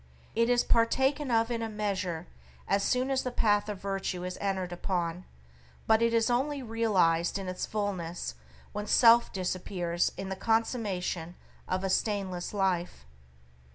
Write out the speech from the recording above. It is partaken of in a measure as soon as the path of virtue is entered upon, but it is only realized in its fullness when self disappears in the consummation of a stainless life.